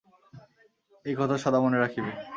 এই কথা সদা মনে রাখিবে।